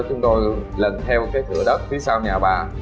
chúng tôi lần theo cái cửa đất phía sau nhà bà